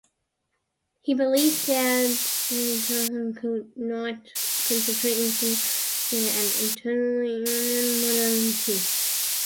He believes that the intellectuals could not construct effectively an authentically Iranian modernity.